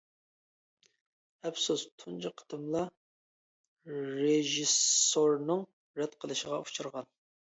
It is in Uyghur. ئەپسۇس، تۇنجى قېتىملا رېژىسسورنىڭ رەت قىلىشىغا ئۇچرىغان.